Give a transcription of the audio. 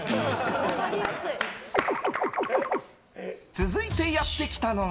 続いてやってきたのは。